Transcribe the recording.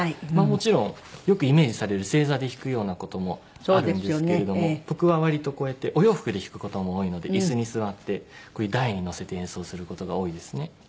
もちろんよくイメージされる正座で弾くような事もあるんですけれども僕は割とこうやってお洋服で弾く事も多いので椅子に座ってこういう台にのせて演奏する事が多いですね。